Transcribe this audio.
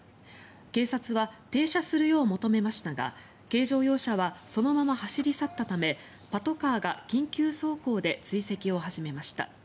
警察は停車するよう求めましたが軽乗用車はそのまま走り去ったためパトカーが緊急走行で追跡を始めました。